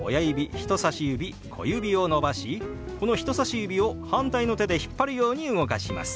人さし指小指を伸ばしこの人さし指を反対の手で引っ張るように動かします。